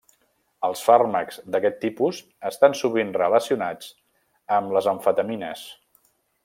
Els fàrmacs d'aquest tipus estan sovint relacionats amb les amfetamines.